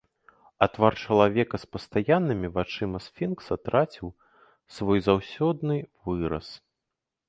А твар чалавека з пастаяннымі вачыма сфінкса траціў свой заўсёдны выраз.